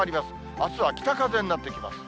あすは北風になってきます。